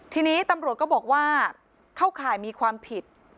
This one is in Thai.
ทีนี้ตำรวจก็บอกว่าเข้าข่ายมีความผิด